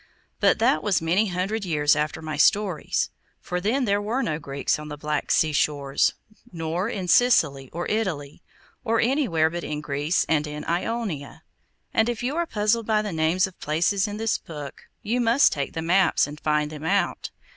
But that was many hundred years after my stories; for then there were no Greeks on the Black Sea shores, nor in Sicily, or Italy, or anywhere but in Greece and in Ionia. And if you are puzzled by the names of places in this book, you must take the maps and find them out.